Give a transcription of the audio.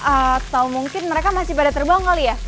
atau mungkin mereka masih pada terbang kali ya